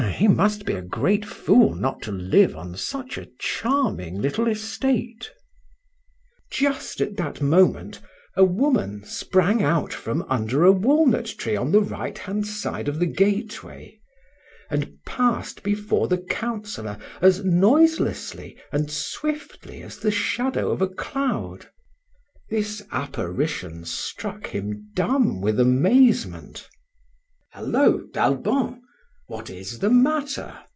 He must be a great fool not to live on such a charming little estate!" Just at that moment, a woman sprang out from under a walnut tree on the right hand side of the gateway, and passed before the Councillor as noiselessly and swiftly as the shadow of a cloud. This apparition struck him dumb with amazement. "Hallo, d'Albon, what is the matter?"